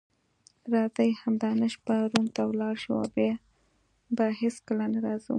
راځئ همدا نن شپه روم ته ولاړ شو او بیا به هیڅکله نه راځو.